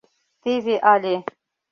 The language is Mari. Теве але